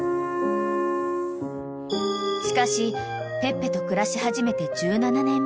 ［しかしペッペと暮らし始めて１７年目］